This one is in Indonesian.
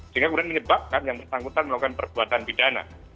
sehingga kemudian menyebabkan yang bersangkutan melakukan perbuatan pidana